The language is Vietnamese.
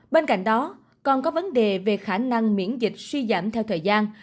bên cạnh đó còn có vấn đề về khả năng miễn dịch suy giảm theo thời gian